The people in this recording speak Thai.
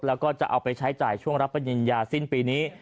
แล้วก็จะเอาไปใช้จ่ายช่วงรับปริญญาสิ้นปีนี้